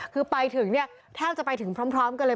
คือไปถึงเนี่ยแทบจะไปถึงพร้อมกันเลย